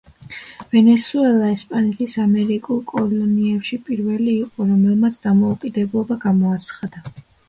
ვენესუელა ესპანეთის ამერიკულ კოლონიებში პირველი იყო რომელმაც დამოუკიდებლობა გამოაცხადა.